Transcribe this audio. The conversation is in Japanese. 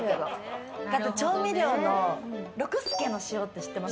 調味料のろく助の塩って知ってます？